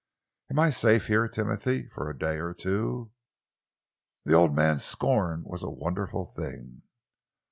"Am I safe here, Timothy, for a day or two?" The old man's scorn was a wonderful thing.